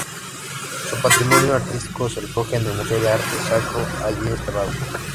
Su patrimonio artístico se recoge en el Museo de Arte Sacro, allí instalado.